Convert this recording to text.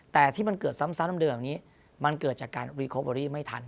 แต่ที่มันเกิดซ้ำเดิมแบบนี้มันเกิดจากการรีโคเวอรี่ไม่ทัน